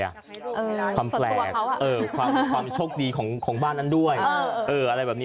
เอ่อสัตวะเขาอะฟรานก์ความแปลกความโชคดีของบ้านด้วยเอออะไรแบบนี้